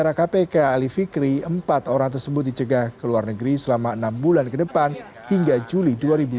dalam bicara kpk ali fikri empat orang tersebut dicegah ke luar negeri selama enam bulan ke depan hingga juli dua ribu dua puluh tiga